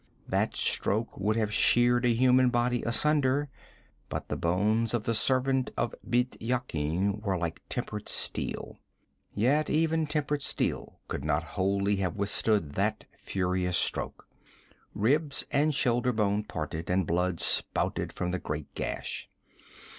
That stroke would have sheared a human body asunder; but the bones of the servant of Bît Yakin were like tempered steel. Yet even tempered steel could not wholly have withstood that furious stroke. Ribs and shoulder bone parted and blood spouted from the great gash.